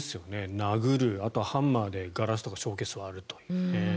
殴る、あとはハンマーでガラスとかショーケースを割るという。